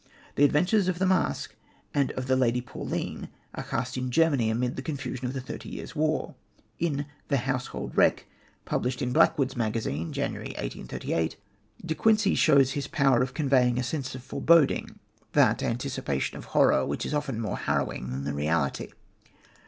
The adventures of the Masque and of the Lady Pauline are cast in Germany amid the confusion of the Thirty Years' War. In The Household Wreck, published in Blackwood's Magazine, January 1838, De Quincey shows his power of conveying a sense of foreboding, that anticipation of horror which is often more harrowing than the reality.